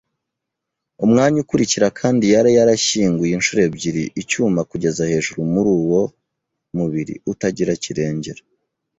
umwanya ukurikira kandi yari yarashyinguye inshuro ebyiri icyuma kugeza hejuru muri uwo mubiri utagira kirengera.